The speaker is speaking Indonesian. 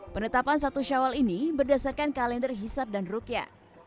penetapan satu sawal ini berdasarkan kalender hisap dan rukiat